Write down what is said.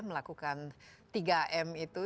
melakukan tiga m itu